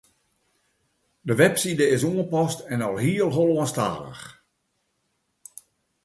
De webside is oanpast en alhiel Hollânsktalich